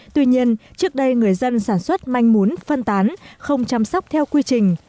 tuy nhiên trước đây người dân sản xuất manh mún phân tán không chăm sóc theo quy trình